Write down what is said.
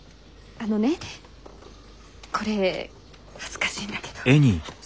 あのねこれ恥ずかしいんだけど。